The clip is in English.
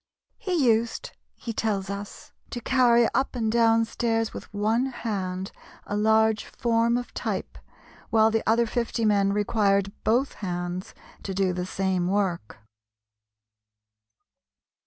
He used, he tells us, to carry up and down stairs with one hand a large form of type, while the other fifty men required both hands to do the same work.